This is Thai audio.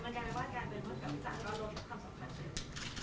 ก็มันกลายเป็นว่าการเดินรถกับวิสัย